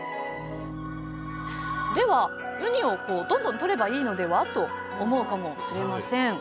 では「ウニをどんどんとればいいのでは？」と思うかもしれません。